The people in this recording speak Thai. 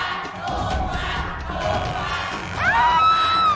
ถูกกว่า